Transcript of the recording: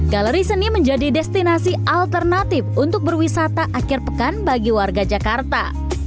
galeri seni menjadi destinasi alternatif untuk berwisata akhir pekan bagi warga jakarta